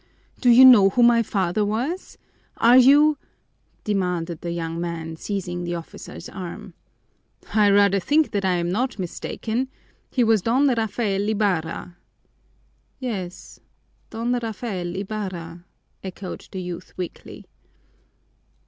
Do you know who my father was? Are you ?" demanded the young man, seizing the officer's arm. "I rather think that I'm not mistaken. He was Don Rafael Ibarra." "Yes, Don Rafael Ibarra," echoed the youth weakly.